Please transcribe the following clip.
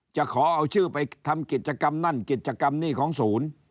ขอเอาชื่อไปทำกิจกรรมนั่นกิจกรรมนี่ของศูนย์